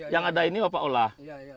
yang ada ini pak olahlah